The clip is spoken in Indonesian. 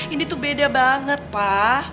ini tuh beda banget pak